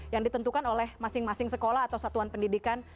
yang ditentukan oleh masing masing sekolah atau satuan pendidikan